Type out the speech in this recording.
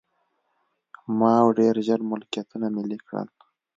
ماوو ډېر ژر ملکیتونه ملي کړل.